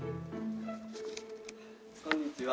こんにちは。